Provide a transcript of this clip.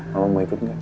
mama mau ikut gak